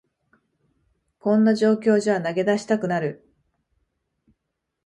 こんな状況じゃ投げ出したくなる